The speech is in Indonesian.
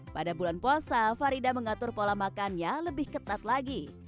pada bulan puasa farida mengatur pola makannya lebih ketat lagi